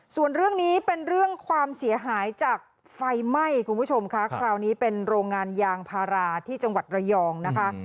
ส่วนเรื่องนี้เป็นเรื่องความเสียหายจากไฟไหม้คุณผู้ชมค่ะคราวนี้เป็นโรงงานยางพาราที่จังหวัดระยองนะคะ